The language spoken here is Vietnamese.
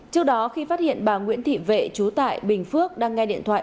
trước đó khi phát hiện bà nguyễn thị vệ chú tại bình phước đang nghe điện thoại